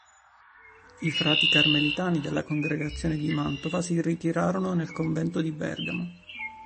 I frati carmelitani della congregazione di Mantova si ritirarono nel convento di Bergamo.